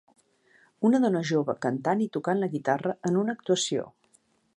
Una dona jove cantant i tocant la guitarra en una actuació.